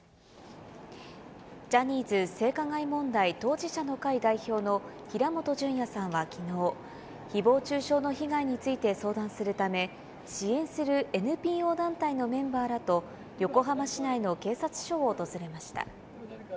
ジャニーズ性加害問題当事者の会代表の平本淳也さんはきのう、ひぼう中傷の被害について相談するため、支援するＮＰＯ団体のメンバーらと横浜市内の警察署を訪れました。